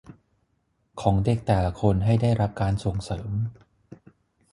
ของเด็กแต่ละคนให้ได้รับการส่งเสริม